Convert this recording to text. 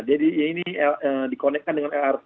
jadi ini dikonekkan dengan lrt